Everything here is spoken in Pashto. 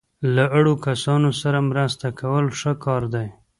له اړو کسانو سره مرسته کول ښه کار دی.